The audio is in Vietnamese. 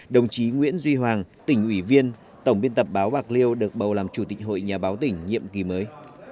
đồng chí nguyễn duy hoàng tỉnh ủy viên tổng biên tập báo bạc liêu được bầu làm chủ tịch hội nhà báo tỉnh nhiệm kỳ mới